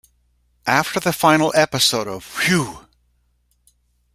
After the final episode of Whew!